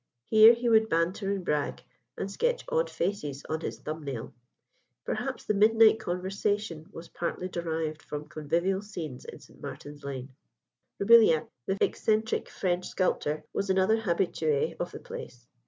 Here he would banter and brag, and sketch odd faces on his thumb nail. Perhaps the "Midnight Conversation" was partly derived from convivial scenes in St. Martin's Lane. Roubilliac, the eccentric French sculptor, was another habitué of the place.